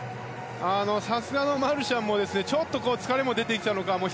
さすがのマルシャンもちょっと疲れも出てきたのか。